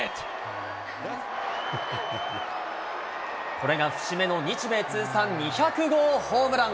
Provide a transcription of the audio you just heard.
これが節目の日米通算２００号ホームラン。